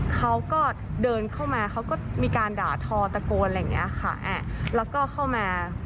เขาก็เดินเข้ามาเขาก็มีการด่าทอตะโกนแล้วก็เข้ามา